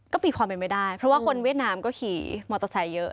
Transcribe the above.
ก็มีความเป็นไม่ได้เพราะว่าคนเวียดนามก็ขี่มอเตอร์ไซค์เยอะ